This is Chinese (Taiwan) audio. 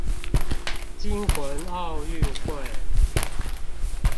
驚魂奧運會